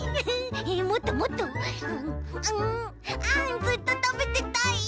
あんずっとたべてたい。